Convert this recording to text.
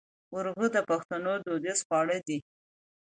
ورږۀ د پښتنو دوديز خواړۀ دي